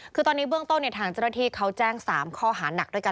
คือตอนนี้เบื้องต้นทางเจ้าหน้าที่เขาแจ้ง๓ข้อหานักด้วยกัน